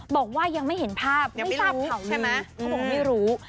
บอกว่ายังไม่เห็นภาพไม่ทราบเผ่ารู้